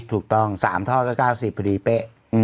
ถูกต้อง๓ท่อแล้ว๙๐อยู่ดีเป๊ะ